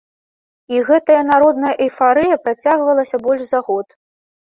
І гэтая народная эйфарыя працягвалася больш за год.